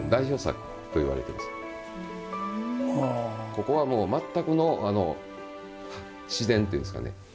ここはもう全くの自然と言うんですかね